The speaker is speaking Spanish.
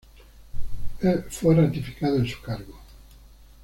El fue ratificado en su cargo.